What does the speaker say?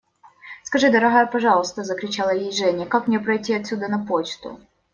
Скажи, дорогая, пожалуйста, – закричала ей Женя, – как мне пройти отсюда на почту?